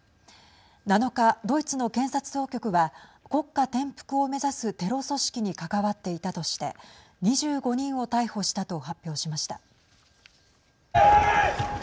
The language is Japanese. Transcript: ７日、ドイツの検察当局は国家転覆を目指すテロ組織に関わっていたとして２５人を逮捕したと発表しました。